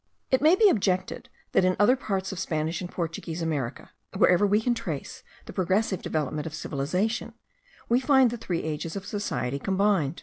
It may be objected, that in other parts of Spanish and Portuguese America, wherever we can trace the progressive development of civilization, we find the three ages of society combined.